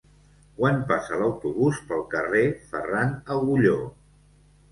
Quan passa l'autobús pel carrer Ferran Agulló?